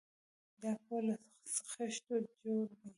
دا کور له خښتو جوړ دی.